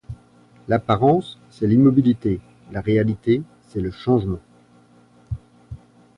L’apparence, c’est l’immobilité ; la réalité, c’est le changement.